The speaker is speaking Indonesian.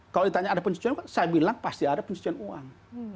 kalau ditanya ada pencucian uang kan saya bilang pasti ada pencucian uang